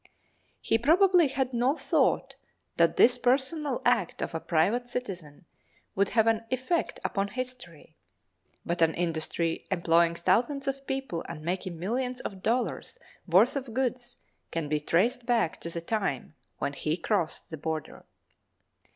He probably had no thought that this personal act of a private citizen would have an effect upon history, but an industry employing thousands of people and making millions of dollars worth of goods can be traced back to the time when he crossed the border.